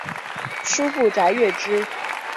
叔父瞿兑之。